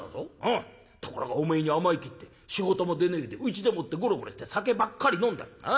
ところがお前に甘えきって仕事も出ねえでうちでもってゴロゴロして酒ばっかり飲んでる。